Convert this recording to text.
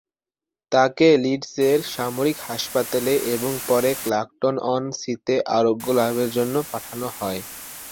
তাকে লিডসের সামরিক হাসপাতালে এবং পরে ক্লাকটন-অন-সিতে আরোগ্য লাভের জন্য পাঠানো হয়।